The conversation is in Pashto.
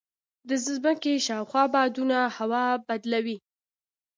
د ځمکې شاوخوا بادونه هوا بدله وي.